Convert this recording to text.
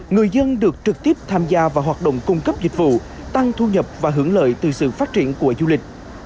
người dân được trực tiếp tham gia vào hoạt động cung cấp dịch vụ tăng thu nhập và hưởng lợi từ sự phát triển của du lịch